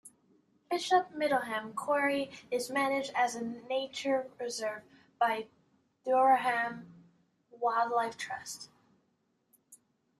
Bishop Middleham Quarry is managed as a Nature Reserve by the Durham Wildlife Trust.